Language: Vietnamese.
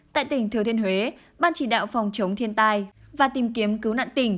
tại tỉnh thừa thiên huế ban chỉ đạo phòng chống thiên tai và tìm kiếm cứu nạn tỉnh